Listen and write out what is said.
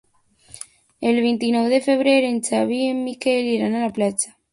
El vint-i-nou de febrer en Xavi i en Miquel iran a la platja.